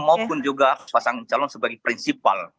maupun juga pasangan calon sebagai prinsipal